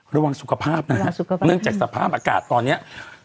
ระวังสุขภาพนะฮะเนื่องจากสภาพอากาศตอนนี้